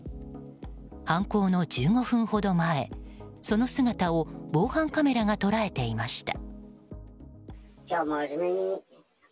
犯行の１５分ほど前その姿を防犯カメラが捉えていました。